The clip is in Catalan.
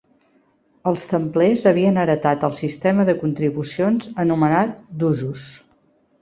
Els templers havien heretat el sistema de contribucions anomenat d'usos.